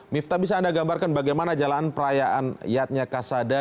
mifta bisa anda gambarkan bagaimana jalanan perayaan yatnya kasada